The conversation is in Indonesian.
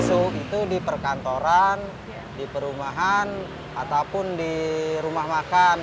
masuk itu di perkantoran di perumahan ataupun di rumah makan